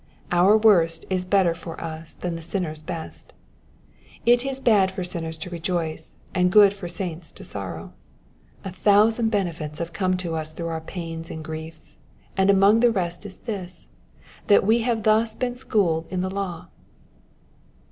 Our worst is better for us than the sinner^s best. It is bad for sinners to rejoice, and ^ood for saints to sorrow. A thousand benefits have come to us through our pains and griefs, and among the rest is this — that we have thus been schooled in the law.